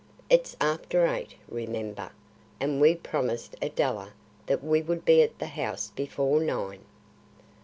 It's after eight, remember, and we promised Adela that we would be at the house before nine."